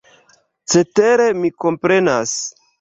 Cetere mi komprenas!